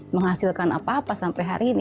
menghasilkan apa apa sampai hadapan